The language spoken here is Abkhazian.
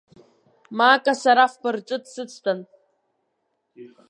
Мака сара фба рҿы дсыцтәан.